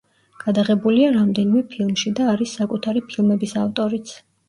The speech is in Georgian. გადაღებულია რამდენიმე ფილმში და არის საკუთარი ფილმების ავტორიც.